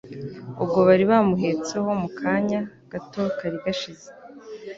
ubwo bari bamuhetseho mu kanya gato kari gashize.